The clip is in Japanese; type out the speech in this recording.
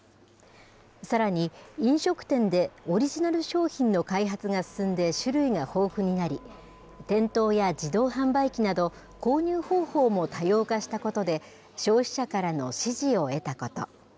さらに、飲食店でオリジナル商品の開発が進んで種類が豊富になり、店頭や自動販売機など、購入方法も多様化したことで、消費者からの支持を得たこと。